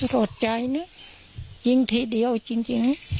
โกรธใจนะยิงทีเดียวจริง